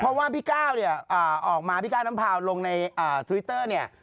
เพราะว่าพี่ก้าวเนี่ยออกมาพี่ก้าวน้ำพาวลงในทวิตเตอร์เนี่ย